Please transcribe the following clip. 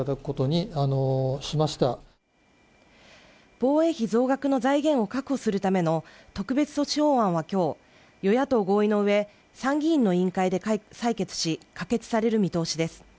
防衛費増額の財源を確保するための特別措置法案は今日与野党合意の上、参議院の委員会で採決し、可決される見通しです。